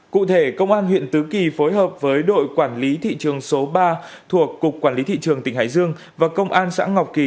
cụ thể công an huyện tứ kỳ phối hợp với đội quản lý thị trường số ba thuộc cục quản lý thị trường tỉnh hải dương và công an xã ngọc kỳ